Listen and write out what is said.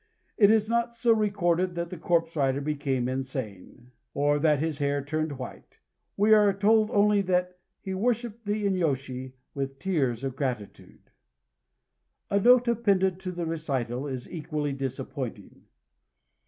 It is not recorded that the corpse rider became insane, or that his hair turned white: we are told only that "he worshipped the inyôshi with tears of gratitude." A note appended to the recital is equally disappointing.